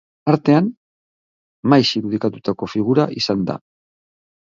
Artean maiz irudikatutako figura izan da.